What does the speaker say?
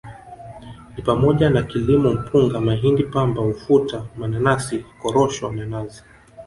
Ni pamoja na kilimo Mpunga Mahindi Pamba Ufuta Mananasi Korosho na Nazi